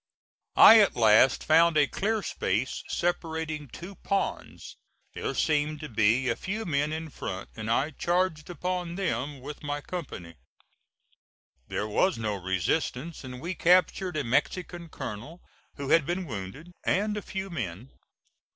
I at last found a clear space separating two ponds. There seemed to be a few men in front and I charged upon them with my company. There was no resistance, and we captured a Mexican colonel, who had been wounded, and a few men.